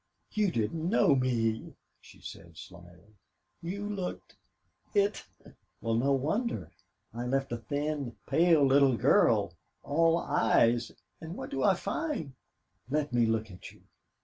"You didn't know me," she said, shyly. "You looked it." "Well, no wonder. I left a thin, pale little girl, all eyes and what do I find?... Let me look at you."